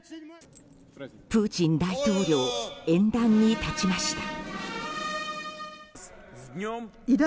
プーチン大統領演壇に立ちました。